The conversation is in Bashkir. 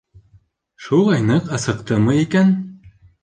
Шулай ныҡ асыҡтымы икән?